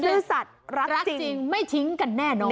ซื่อสัตว์รักจริงไม่ทิ้งกันแน่นอน